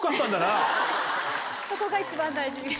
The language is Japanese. そこが一番大事。